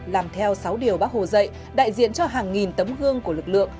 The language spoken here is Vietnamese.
làm theo sáu điều bác hồ dạy đại diện cho hàng nghìn tấm gương của lực lượng